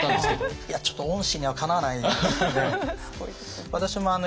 いやちょっと御師にはかなわないですね。